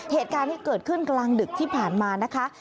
เหตุการณ์ที่เกิดขึ้นกลางดึกที่ผ่านมานะคะ